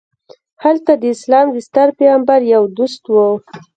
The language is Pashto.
هلته د اسلام د ستر پیغمبر یو دوست و.